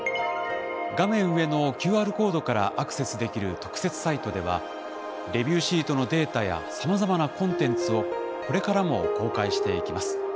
画面上のＱＲコードからアクセスできる特設サイトではレビューシートのデータやさまざまなコンテンツをこれからも公開していきます。